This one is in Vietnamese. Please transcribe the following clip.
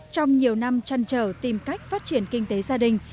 trong nhiều năm chăn trở tìm cách phát triển kinh tế gia đình